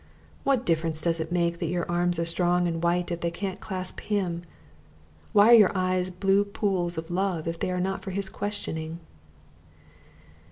What difference does it make that your arms are strong and white if they can't clasp him? Why are your eyes blue pools of love if they are not for his questioning?